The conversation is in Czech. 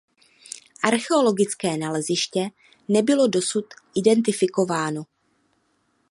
Archeologické naleziště nebylo dosud identifikováno.